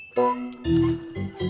sampai jumpa lagi